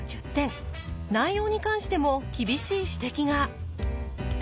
内容に関しても厳しい指摘が。